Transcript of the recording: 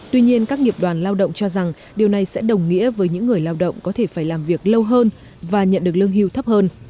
tuy nhiên các nghiệp đoàn lao động cho rằng điều này sẽ đồng nghĩa với những người lao động có thể phải làm việc lâu hơn và nhận được lương hưu thấp hơn